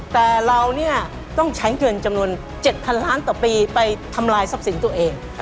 แต่เราเนี่ยต้องใช้เงินจำนวน๗๐๐ล้านต่อปีไปทำลายทรัพย์สินตัวเอง